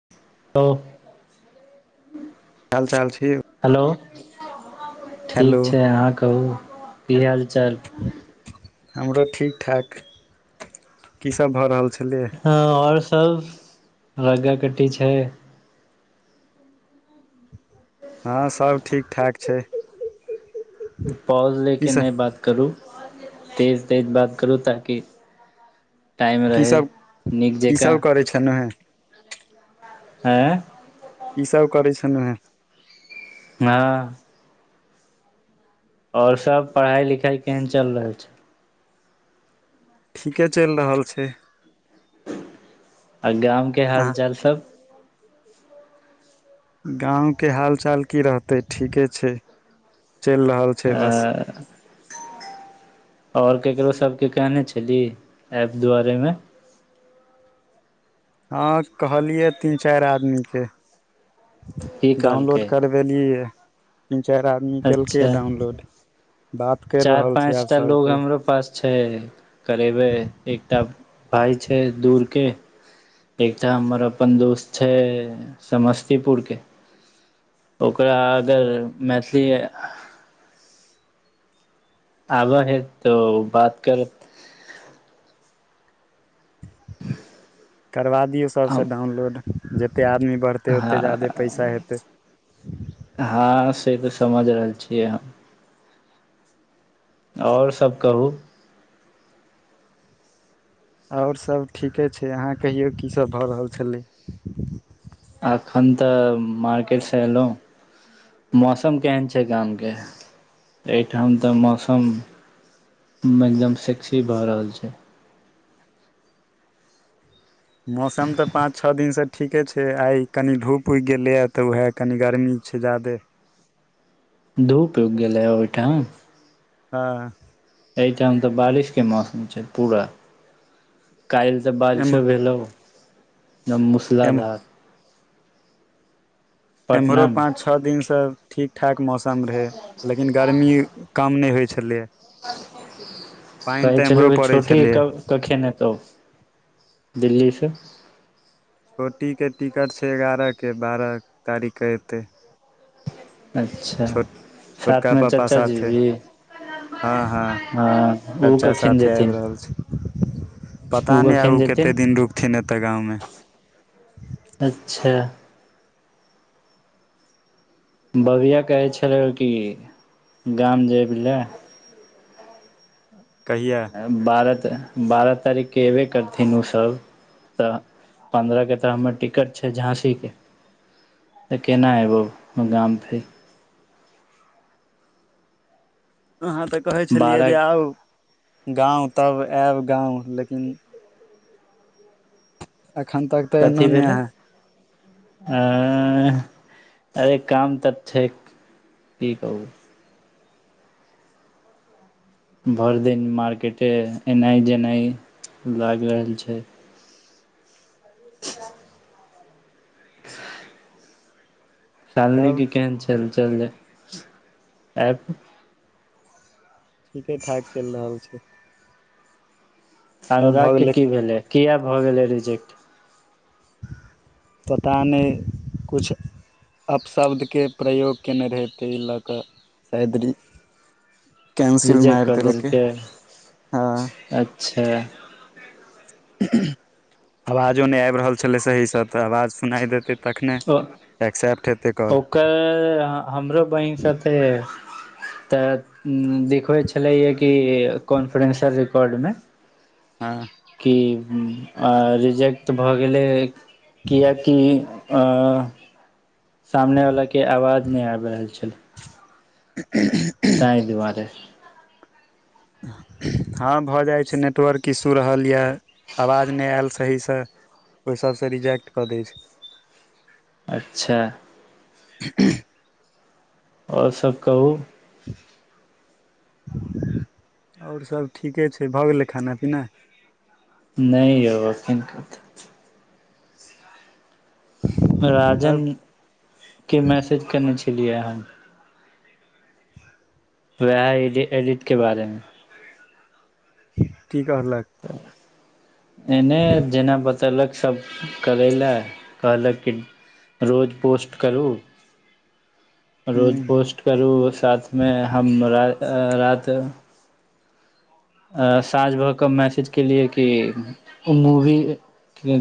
त हाल चाल छै। ओ हेलो हेलो ठीक छै। अहाँ कहू की हाल चाल हमरो ठीकठाक, की सभ भऽ रहल छलै? हँ, आओर सभ गोटी कट्टी छै। हँ सभ ठीक ठाक छै। पॉज की नहि सब लऽ कऽ, तेज तेज बात करू ताकि टाईम की रहै सब नीक की जकाँ सब करै छलहुँ हेँ हँ की सभ करै छैन हें ह और सभ पढ़ाई लिखाई केहन चल रहल छै। ठीके चलि रहल छै। आ गाम के अहाँ हाल चाल सभ गाँव के हाल चाल की रहते ठीके छै। चलि रहल छै बस एँ आओर केकरो सभकेँ कहने छलिह, ऐप दुआरेमे? आओर केकरो सभकेँ कहने छलिह, ऐप की कहलकै दुआरेमे? देलियै, तीन चारि आदमी केलकै अच्छा डाउनलोड। बात करि चारि रहल छै आब पाँचटा सब लोक कोइ हमरो पास छै, करबे एकटा। भाय छै। दूरके एकटा हमर अपन दोस्त छै, समस्तीपुरके। ओकरा अगर मैथिली आबऽ हँ, तऽ बात करू। करबा दियौ सभसँ हम डाउनलोड, जते आदमी बढ़तै ओते जादे हँ पैसा हेतै। हँ, से तऽ बुझि रहल छियै हम। आओर सभ कहू आओर सभ ठीके छै, अहाँ कहियौ, की सभ भऽ रहल छलै? अखन तऽ मार्केट से एलहुँ। मौसम केहन छै गामके एहिठाम तऽ मौसम एकदम सेक्सी भऽ रहल छै। मौसम तऽ पाँच छओ दिन से ठीके छै। आइ कनी धूप उगि गेलैए तऽ उएह कनि गरमी छै। जादे धूप गई गेलय ओहिठाम? हँ एहिठाम तऽ बारिशके मौसम छै पूरा काल्हि तऽ एम बारिशो भेल रहु एम मूसलाधार एम्हरो पाँच पटनामे छ दिनसँ ठीक ठाक मौसम रहै, लेकिन गर्मी। काम नहि होइ छलैए। पानि कहै तऽ एम्हरो छलु पड़ै छोटी छलैए कब कखे एतो दिल्ली से। छोटीके टिकट छै, एगारहके बारह तारीखके एतै। अच्छा, छोट छोटका साथमे पापा चचा जी साथे सेहो? हँ हँ हँ ओ चच्चा कखिन साथे आबि जेथिन रहल छै पता ओ नहि आब कखन उ जेथिन कतेक दिन रुकथिन एतऽ गाँवमे अच्छा बबीआ कहै छलै कि गाम जेबहि रे कहिया बारह त बारह तारीखके अएबे करतै ने ओ सब तऽ पन्द्रह के तऽ हमर टिकट छै झाँसी के तऽ केना एबौ गाम फेर अहाँ तऽ कहे छलियै बारह जे आउ गाँंव तब आयब गाँंव लेकिन एखन तक तऽ एनो कथी नहि भेलै अहाँ अरे काम तऽ छै की कहू भरि दिन मार्केटे एनाइ जेनाइ लागि रहल छै अच्छा ह [inaudible] सालनी के केहन चल चली आ ठीके ठाक चलि रहल छै तब भऽ अनुराग के गेलै की भेलै किया भऽ गेलै रिजेक्ट पता नहि किछु अपशब्दके प्रयोग कयने रहै तै ई लऽ कऽ [unintelligible] कैंसिल रिजेक्ट मारि कऽ देलकै हँ अच्छा आवाजो नहि आबि रहल छलै सहीसँ तऽ आवाज सुनाइ देतै तखने ओ एक्सेप्ट हेतै काॅल ओकर हमरो बहिन सँथे तऽ देखबैत छलैय कि कॉन्फरेन्स रिकॉर्डमे हँ कि रिजेक्ट भऽ गेलै किएकि ऐं सामने वलाके आवाज नहि आबि रहल छलै ह [inaudible] तैं दुआरे हँ भऽ जाइत छै नेटवर्क इश्यू रहल यए आवाज नहि आयल सहीसँ ओहि सभसँ रिजेक्ट कऽ दै छै अच्छा ह [inaudible] और सब कहू और सब ठीके छै भऽ गेलै खाना पीना नहि यौ अखन कत राजन तब के मैसेज कयने छलियै हन वाइह एडिटके बारे मे की कहलक एने जेना बत बतेलक सब करै लए कहलक कि रोज पोस्ट करू रोज हूँ पोस्ट करू साथ मे हमअ र रति अ साँझ भ कऽ मैसेज केलियै कि मूवी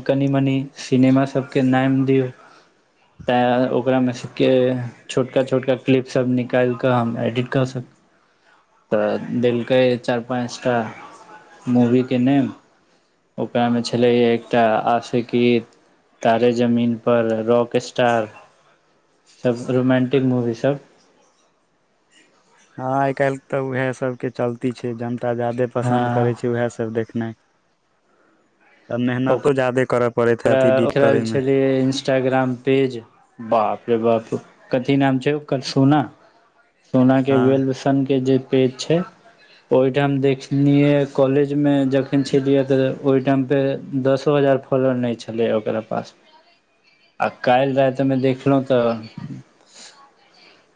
कनि मनि सिनेमा सबके नाम दियौ तैँ ओकरा मे से के छोटका छोटका क्लिप सब निकालिकऽ हम एडिट कऽ सकहु तऽ देलकै चार पाँच टा मूवीके नेम ओकरामे छलैय एकटा आशिकी तारे जमीन पर रॉक स्टार सब रोमंटिक मूवी सब हँं आइ काल्हि तऽ उएह सब के चलती छै जनता जाादे पसंन्द करे हँ छै उएह सब देख नय तब मेहनतो जाादे करब ओकरा ओकरा जे छलय इंस्टाग्राम पेज बाप रे बाप कथी नाम छै ओकर सोना सोना के हँ वेलबसन के जे पेज छै ओहिठाम देखनि कॉलेज मे जखन छलियै तऽ ओहि टाइम पर दसो हजार फ खोलऽ नहि छलै ओकरा पास आ काल्हि रातिमे देखलहुँ तऽ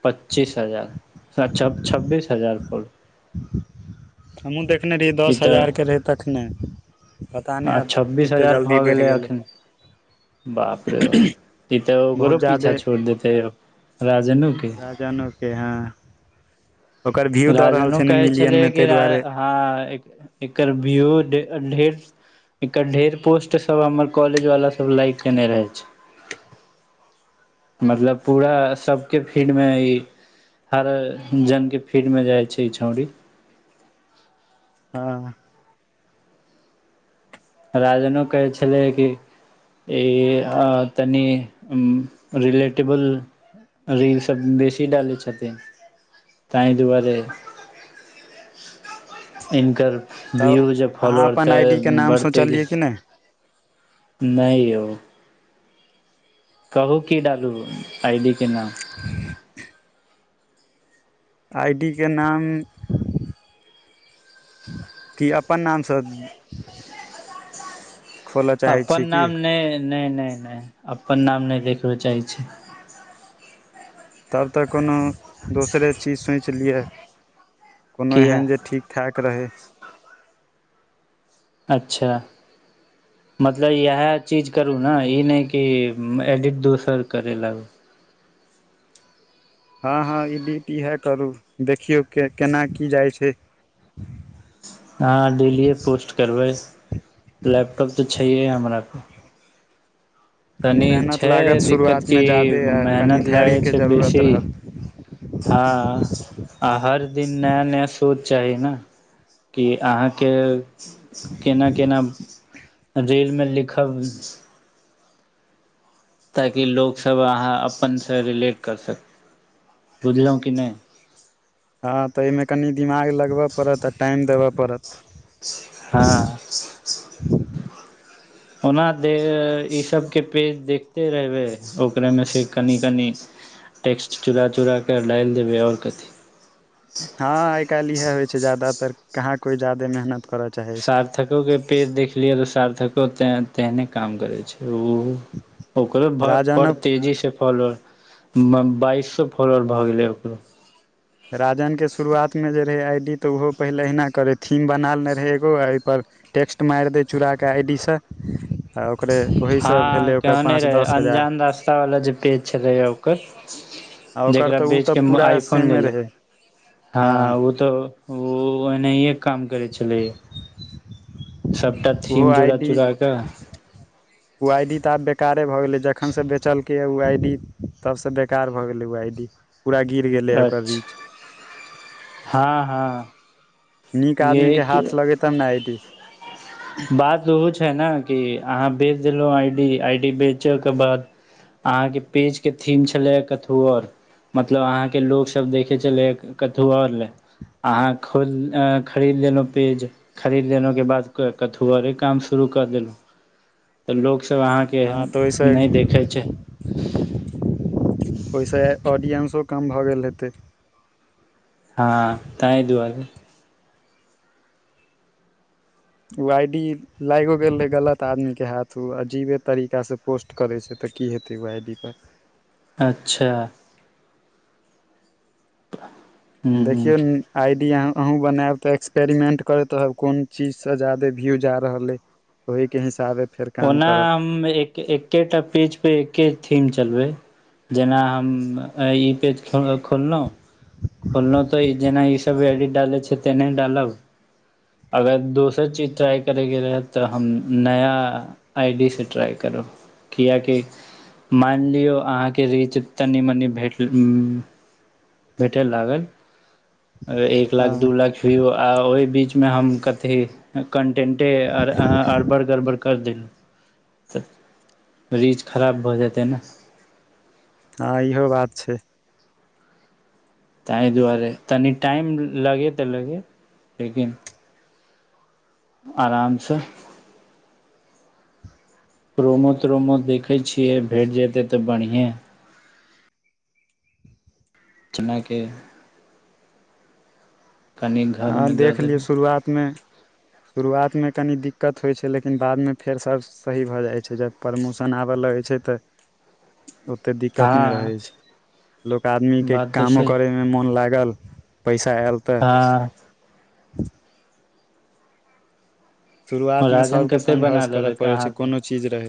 पच्चीस हजार अ छ छब्बीस हजार फल हमहूँ देखने रहियै ई दस तऽ हजारके रहै तखने पता आ नय आब छब्बीस कतेक हजार जल्दी भऽ बढ गेलै एखन बाप रे बा ई तऽ ओकरो बहुत पीछा ज्यादे छोड़ देते यो राजन के जान के ह ओकर व्यू दऽ रहल राजनो छै ने कहै मिलियन छलै मे कि ताहि दुआरे हँ एकर व्यू ढ ढेर एकर ढेर पोस्ट सब हमर कॉलेज वाला सब लाइक केने रहे छै मतलब पूरा सबके फीड मे ई हर जन के फीड में रहइ छै ई छौड़ी हँ ह राजनो कहै छलै कि ई अ म्म तनी रिलेटेबल रीलसब बेसी डालै छथिन ताहि दुआरे हिनकर तब व्यू जे अहाँ फोल्लोवेर अपन त आई डी के नाम बढ़तइ सोचलियै कि नहि नय यौ कहू की डालू आइडी के नाम ह [inaudible] आइडी के नाम कि अपन नाम सँ अपन छियै की नाम नहि नहि नहि नहि अपन नाम नहि देखबे चाहै छै तब तऽ कोनो दोसरे चीज सोच लियए कोनो किया एहन जे ठीक ठक रहै अच्छा मतलब इएह चीज करू ने ई नहि कि एडिट दोसर करै लाग हँ हँ ई डीही इएह करू देखियौ के केना की जाइ छै हँ डेलियए पोस्ट करबै लैपटॉप तऽ छैह हमरा पास कनि तनी मेहनत छै लागत दिक्कत की शुरुआतमे ज्यादे आ कनि मेहनत लागै धैर्यके छै जरूरत बेसी रहत हँ आ हर दिन नया नया सोच चाही ने कि अहाँके केना केना रीलमे लिखब ताकि लोकसभ अहाँ अपनसँ रिलेट कर सक बुझलहुँ कि नहि हँ तऽ एहिमे कनि दिमाग लगबय पड़त आ टाइम देबऽ पड़त हँ ओना दे इसभके पेज देखिते रहबै ओकरामे से कनि कनि टेक्ट चुरा चुराकऽ डाइल देबै आओर कथी हँ आइ काल्हि इएहे होइ छै जदातर कहाँ कोइ जादे मेहनत करऽ चाहे सार्थकोके पेज देखलियै तऽ सार्थकोे तेहने काम करै छै ओ ओकरो भ बड़ राजनक तेजी से फॉल मम बाइस सो फलोर भऽ गेलै ओकरो राजनके शुरुआतमे जे रहै आई डी तऽ ओहो पहिले अहिना करै थीम बना लने रहै एगो एहिपर टैक्स्ट मारि दै चुराके आइडी सँ त ओकरे ओहीसँ हँ भेलै ओकर कहने पाँच रहे दस हजार अन्जान रास्ता वाला जे पेज छलै ओकर आ ओकर जेकरा तऽ ओ बेचि तऽ कऽ पूरा आइ फोन सेमे लेलै रहै हँ ओ तऽ ओ ओनाहिए काम करै छलै सबटा ओहो थिम आई चूड़ा डी चूड़ा कऽ ओ आई डी तऽ आब बेकारे भऽ गेलै जखन से बेचलकै ओ आई डी तबसँ बेकार भऽ गेलै ओ आई डी पूरा गिर गेलै ओकर अच्छा रीच हँ हँ नीक आदमी के हाथ ये लगेतब ने आइ डी बात ओहो छै ने कि अहाँ बेच देलहुँ आई डी आई डी बेचयके बाद अहाँ के पेज के थीम छले कथु आर मतलब अहााँके लोकग सब देखे छलै कथु आर ले अहाँ खोल खरीद लेलहुँ पेज खरीद लेलहुं के बाद क कथुआरे काम शुरू क देलहु त लोक सब अहां के हँ तऽ नहि ओहिसँ देखै छै ओहिसँ ऑडियंसो कम भऽ गेल हेतै हँ ताहि दुआरे उ आइ डी लाइगो गेल रहै गलत आदमीके हाथ उ अजीबे तरीकासँ पोस्ट करै छै तऽ की हेतै ओ आई डी पर अच्छा [unintelligible] देखियौन आइडिया अहूँ बनायब तऽ एक्सपेरिमेंट करैत रहब कोन चीज से ज्यादे व्यू जा रहले ओहिके हिसाबे ओना हम एक एकेटा पेज पे एके थीम चलबै जेना हम ई पेज खोललहुँ खोललहुॅं तऽ ई जेना ई तब एडिट डालै छै तऽ नहि डालब अगर दोसर चीज ट्राइ करैके रहै तऽ हम नया आइ डी से ट्राय करब किया कि मानि लिऔ अहाँके रीच तनि मनि भेट उ्म भेटे लागल एक लाख हँ दू लाख भिउ आ ओहि बीचमे हम कथी कन्टेन्टे आओर अहां अड़बड़ गड़बड़ कर देलहुँ तऽ रीछ खराब भऽ जेतै ने हँ इहो बात छै ताहि दुआरे तनि टाइम लगे तऽ लगे लेकिन आरामसँ क्रोमो त्रोमो देखै छियै भेट जेतै तऽ बढ़िएँ चुनाके कनि हँ घरमे दऽ देख लियौ देबै शुरुआतमे शुरुआतमे कनी दिक्कत होइ छै लेकिन बादमे फेर सब सही भऽ जाइ छै जब प्रमोशन आबऽ लगै छै तऽ [inaudible] ओते दिक्कत नहि रहै हँ छै लोक आदमी के बात तऽ कामो सही करे मोन लागल पैसा आल त आँ हू [unintelligible] शुरुआतमे राजन सभके कते बना संघर्ष करय तेलक पड़ै आहाँ छै के कोनो चीज रहै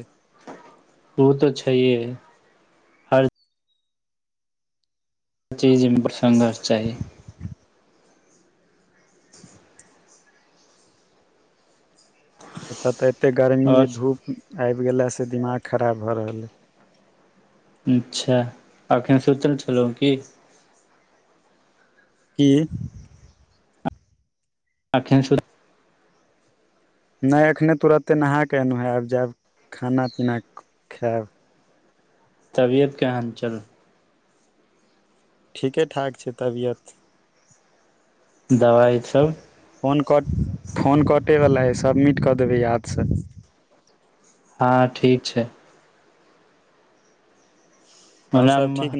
उ तऽ छैेइ जी जी इम्पसन् चाही एतऽ तऽ एतेक गर्मी आओर धूप आबि गेलासँ दिमाग खराब भऽ रहल अछि। अच्छा अखन सोतल छलौ की? की आखन सुध नहि, अखने तुरते नहा के एलहुँ हे, आब जायब खाना पीना खायब। तबियत केहन छै? ठीके ठाक छै, तबियत दवाई सभ फोन कटि गेल, फोन कटेवला हइ। सबमिट कऽ देबै, याद सँ। हँ, ठीक छै। आओर सब मनाम ठीक